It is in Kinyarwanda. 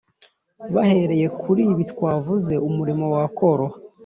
Bahereye kuri ibi twavuze umurimo wakoroha.